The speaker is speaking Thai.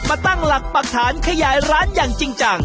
ตั้งหลักปรักฐานขยายร้านอย่างจริงจัง